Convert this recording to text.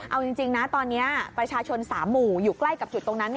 เอาจริงนะตอนนี้ประชาชน๓หมู่อยู่ใกล้กับจุดตรงนั้น